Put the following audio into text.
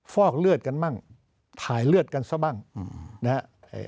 ฟอกเลือดกันบ้างถ่ายเลือดกันซะบ้างนะฮะ